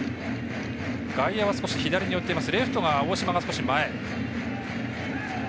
外野は少し左によっていますがレフトは大島が少し前。